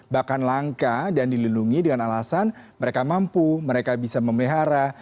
bahkan langka dan dilindungi dengan alasan mereka mampu mereka bisa memelihara